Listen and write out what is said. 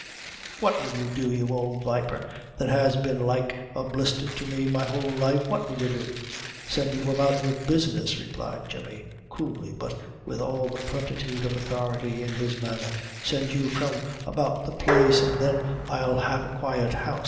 "What will you do, you old viper, that has been like a blister to me my whole life what will you do?" "Send you about your business," replied Jemmy, coolly, but with all the plenitude of authority in his manner; "send you from about the place, an' then I'll have a quiet house.